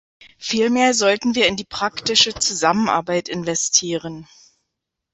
Vielmehr sollten wir in die praktische Zusammenarbeit investieren.